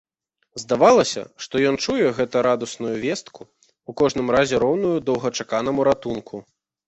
Здавалася, што ён чуе гэта радасную вестку, у кожным разе роўную доўгачаканаму ратунку.